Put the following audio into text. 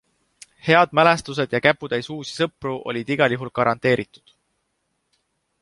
Head mälestused ja käputäis uusi sõpru olid igal juhul garanteeritud.